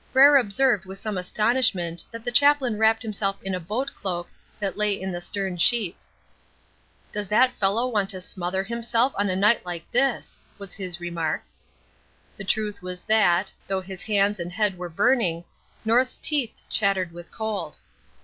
Frere observed with some astonishment that the chaplain wrapped himself in a boat cloak that lay in the stern sheets. "Does the fellow want to smother himself in a night like this!" was his remark. The truth was that, though his hands and head were burning, North's teeth chattered with cold.